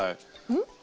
うん？